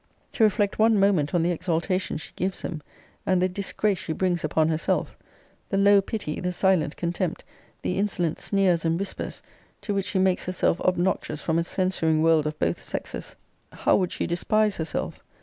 ] to reflect one moment on the exaltation she gives him, and the disgrace she brings upon herself, the low pity, the silent contempt, the insolent sneers and whispers, to which she makes herself obnoxious from a censuring world of both sexes, how would she despise herself!